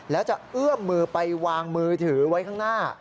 แล้วจะเอื้อมมือไปวางมือถือไว้ข้างหน้า